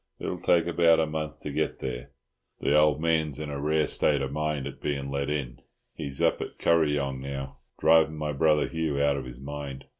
It'll take about a month to get there. The old man's in a rare state of mind at being let in. He's up at Kuryong now, driving my brother Hugh out of his mind.